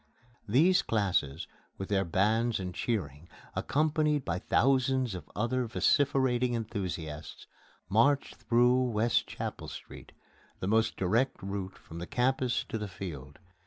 These classes, with their bands and cheering, accompanied by thousands of other vociferating enthusiasts, march through West Chapel Street the most direct route from the Campus to the Field.